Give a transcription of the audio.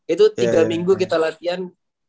itu tiga minggu kita latihan